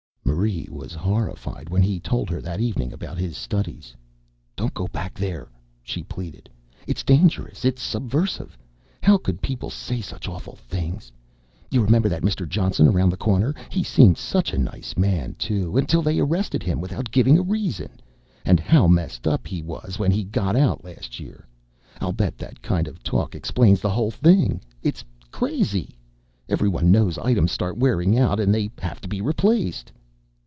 Marie was horrified when he told her that evening about his studies. "Don't go back there," she pleaded. "It's dangerous. It's subversive! How could people say such awful things? You remember that Mr. Johnson around the corner? He seemed such a nice man, too, until they arrested him without giving a reason ... and how messed up he was when he got out last year. I'll bet that kind of talk explains the whole thing. It's crazy. Everyone knows items start wearing out and they have to be replaced."